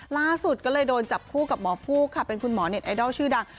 ล่าสุดก็เลยโดนจับคู่กับหมอฟูกค่ะเป็นคุณหมอเน็ตไอดอลชื่อดัง